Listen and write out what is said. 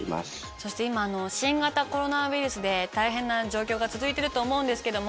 そして今新型コロナウイルスで大変な状況が続いてると思うんですけども。